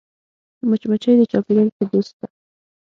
مچمچۍ د چاپېریال ښه دوست ده